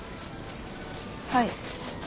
はい。